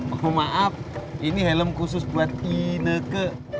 oh maaf ini helm khusus buat i n k